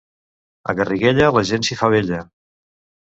A Garriguella la gent s'hi fa vella.